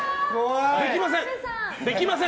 できません！